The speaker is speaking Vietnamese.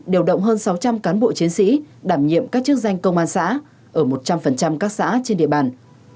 điều động hơn sáu trăm linh cán bộ chiến sĩ đảm nhiệm các chức danh công an xã ở một trăm linh các xã trên địa bàn